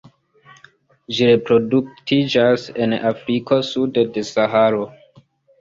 Ĝi reproduktiĝas en Afriko sude de Saharo.